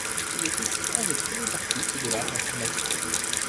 Il est aussi un des premiers artistes de l’art informatique.